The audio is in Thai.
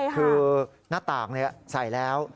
หน้าตากใส่แล้ว